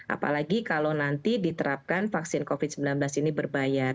apalagi kalau nanti diterapkan vaksin covid sembilan belas ini berbayar